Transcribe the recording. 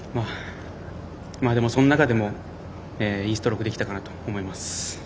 でも、その中でもいいストロークできたかなと思います。